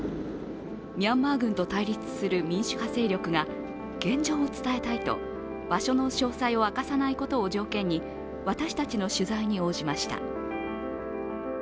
ミャンマー軍と対立する民主派勢力が現状を伝えたいと場所の詳細を明かさないことを条件に私たちの取材に応じました。